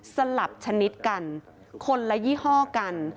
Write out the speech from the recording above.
สลับชนิดกันคนละยี่ห้อกัน